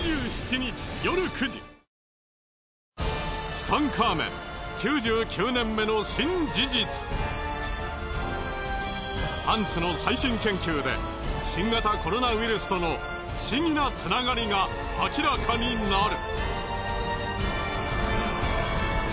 ツタンカーメンパンツの最新研究で新型コロナウイルスとの不思議なつながりが明らかになる。